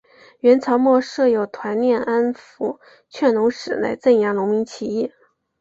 元朝末设有团练安辅劝农使来镇压农民起义。